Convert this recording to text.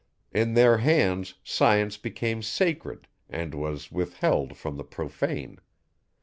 In their hands science became sacred and was withheld from the profane.